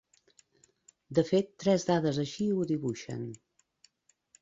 De fet, tres dades així ho dibuixen.